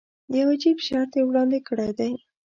یو عجیب شرط یې وړاندې کړی دی.